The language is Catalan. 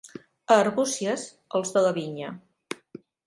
A Arbúcies, els de la vinya.